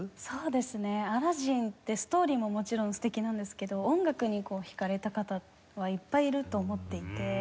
そうですね『アラジン』ってストーリーももちろん素敵なんですけど音楽に惹かれた方はいっぱいいると思っていて。